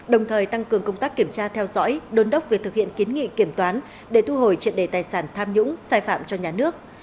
đồng thời tăng cường công tác kiểm tra theo dõi đồn đốc việc thực hiện kiến nghị kiểm toán để thu hồi triệt đề tài sản tham nhũng sai phạm cho nhà nước